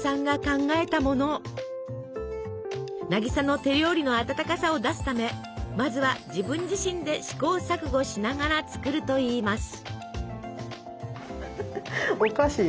渚の手料理の温かさを出すためまずは自分自身で試行錯誤しながら作るといいます。